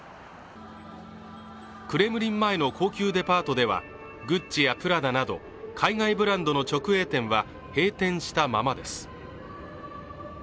クレムリン前の高級デパートではグッチやプラダなど海外ブランドの直営店は閉店したままです。